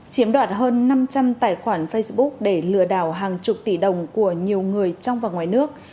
chiếm đoạt hơn năm trăm linh tài khoản facebook để lừa đảo hàng chục tỷ đồng của nhiều người trong và ngoài nước